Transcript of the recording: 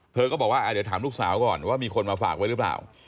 เธอก็บอกว่าเดี๋ยวถามลูกสาวก่อนว่ามีคนมาฝากไว้หรือเปล่า